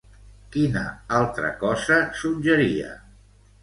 Quina altra cosa suggeria?